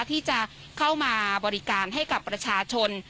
ที่จะเข้ามาบริการให้กับประชาชน